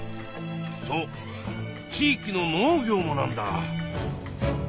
そう地域の農業もなんだ。